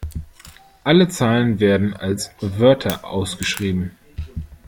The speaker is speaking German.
Alle Zahlen werden als Wörter ausgeschrieben.